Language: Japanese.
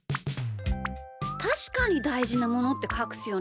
たしかにたいじなものってかくすよね。